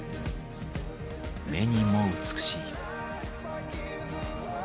目にも美しい。